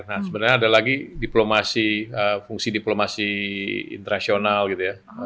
nah sebenarnya ada lagi di fungsi diplomasi internasional gitu ya